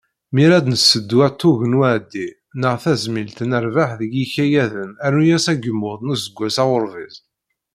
Mi ara d-nesseddu atug n uɛeddi neɣ tazmilt n rrbeḥ deg yikayaden rnu-as agemmuḍ n useggas aɣurbiz.